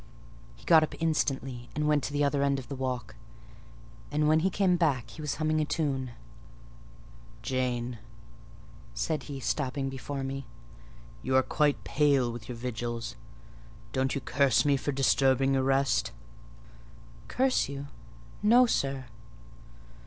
He got up instantly, went quite to the other end of the walk, and when he came back he was humming a tune. "Jane, Jane," said he, stopping before me, "you are quite pale with your vigils: don't you curse me for disturbing your rest?" "Curse you? No, sir."